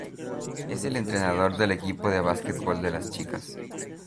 Es el entrenador del equipo de básquetbol de las chicas.